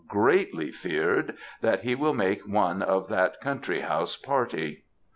greatly feared, that he will make one of that country house party.